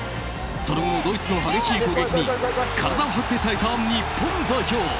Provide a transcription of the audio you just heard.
その後もドイツの激しい攻撃に体を張って耐えた日本代表。